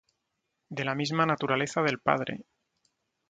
de la misma naturaleza del Padre,